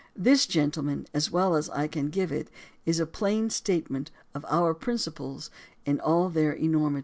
This, gentlemen, as well as I can give it, is a plain statement of our principles in all their enormity.